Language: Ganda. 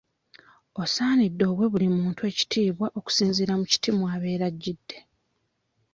Osaanidde owe buli muntu ekitiibwa okusinziira mu kiti mw'abeera ajjidde.